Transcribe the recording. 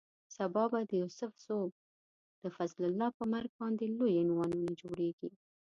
سبا به د یوسف زو د فضل الله پر مرګ باندې لوی عنوانونه جوړېږي.